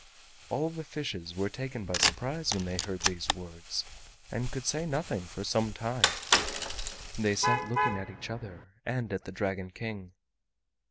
All the fishes were taken by surprise when they heard these words, and could say nothing for some time. They sat looking at each other and at the Dragon King.